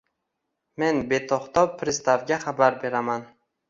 Men beto‘xtov pristavga xabar beraman